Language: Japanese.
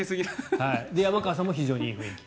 山川さんも非常にいい雰囲気。